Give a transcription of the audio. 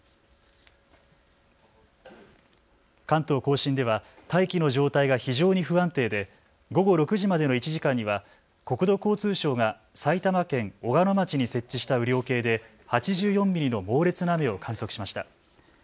関東甲信では大気の状態が非常に不安定で午後６時までの１時間には国土交通省が埼玉県小鹿野町に設置した雨量計で８４ミリの猛烈な雨を観測しました。